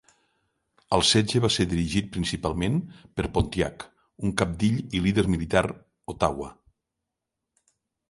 El setge va ser dirigit principalment per Pontiac, un cabdill i líder militar ottawa.